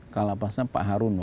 kalapasnya pak harun